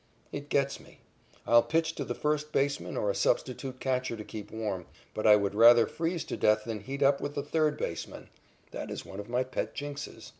It gets me. I'll pitch to the first baseman or a substitute catcher to keep warm, but I would rather freeze to death than heat up with the third baseman. That is one of my pet jinxes.